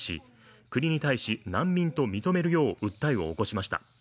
国に対し難民と認めるよう訴えを起こしました